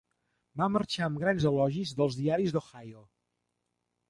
Va marxar amb grans elogis dels diaris d'Ohio.